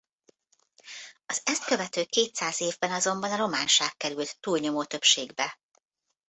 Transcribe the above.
Az ezt követő kétszáz évben azonban a románság került túlnyomó többségbe.